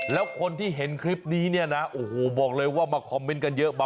แล้วคนที่เห็นคลิปนี้เนี่ยนะโอ้โหบอกเลยว่ามาคอมเมนต์กันเยอะ